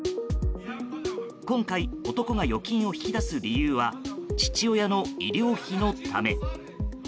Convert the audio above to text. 今回、男が預金を引き出す理由は父親の医療費のため。